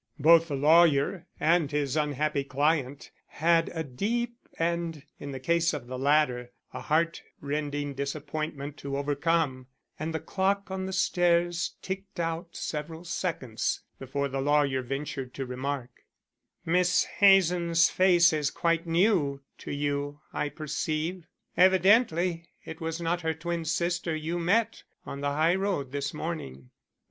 Both the lawyer and his unhappy client had a deep and, in the case of the latter, a heartrending disappointment to overcome, and the clock on the stairs ticked out several seconds before the lawyer ventured to remark: "Miss Hazen's face is quite new to you, I perceive. Evidently it was not her twin sister you met on the high road this morning."